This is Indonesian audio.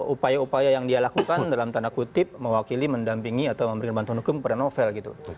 upaya upaya yang dia lakukan dalam tanda kutip mewakili mendampingi atau memberikan bantuan hukum kepada novel gitu